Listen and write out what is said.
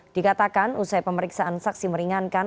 dikatakan usai pemeriksaan saksi meringankan